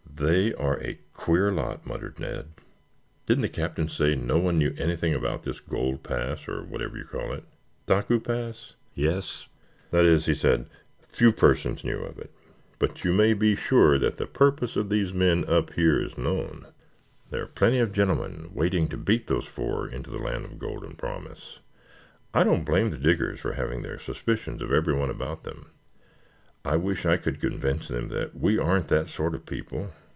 "They are a queer lot," muttered Ned. "Didn't the Captain say no one knew anything about this gold pass, or whatever you call it?" "Taku Pass? Yes. That is, he said few persons knew of it, but you may be sure that the purpose of these men up here is known. There are plenty of gentlemen waiting to beat those four into the land of golden promise. I don't blame the Diggers for having their suspicions of everyone about them. I wish I could convince them that we aren't that sort of people.